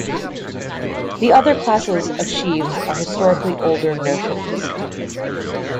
The other classes of sheaves are historically older notions.